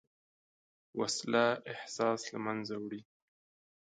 وسله احساس له منځه وړي